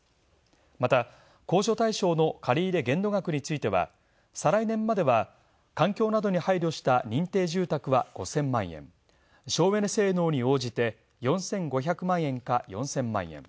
また、控除対象の借り入れ限度額については、再来年までは、環境などに配慮した「認定住宅」は５０００万円省エネ性能に応じて４５００万円か４０００万円。